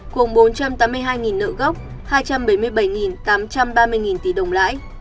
cùng bốn trăm tám mươi hai nợ gốc hai trăm bảy mươi bảy tám trăm ba mươi tỷ đồng lãi